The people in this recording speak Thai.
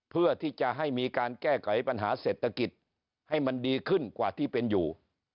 เพื่อที่จะให้มีการแก้ไขปัญหาเศรษฐกิจให้มันดีขึ้นกว่าที่เป็นอยู่